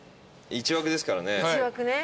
１枠ですからね。